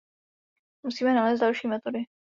Musíme nalézt další metody.